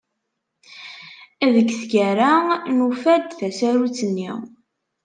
Deg tgara, nufa-d tasarut-nni.